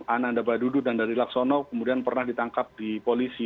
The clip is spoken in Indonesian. ananda badudu dan dari laksono kemudian pernah ditangkap di polisi